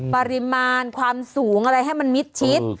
ปริมาณความสูงอะไรให้มันมิดชิด